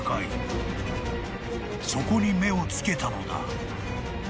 ［そこに目を付けたのだ］